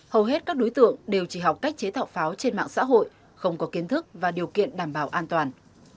hầu hết các đối tượng đều chỉ học cách chế tạo pháo trên mạng xã hội không có kiến thức và điều kiện đảm bảo an toàn